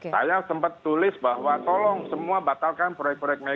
saya sempat tulis bahwa tolong semua batalkan proyek proyeknya